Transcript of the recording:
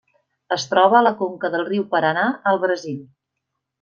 Es troba a la conca del riu Paranà al Brasil.